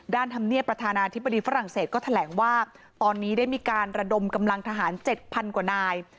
ธรรมเนียบประธานาธิบดีฝรั่งเศสก็แถลงว่าตอนนี้ได้มีการระดมกำลังทหาร๗๐๐กว่านาย